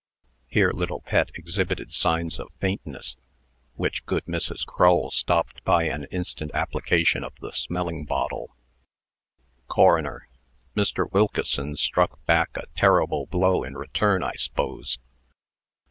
Here little Pet exhibited signs of faintness, which good Mrs. Crull stopped by an instant application of the smelling bottle. CORONER. "Mr. Wilkeson struck back a terrible blow in return, I s'pose."